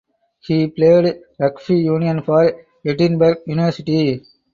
He played rugby union for Edinburgh University.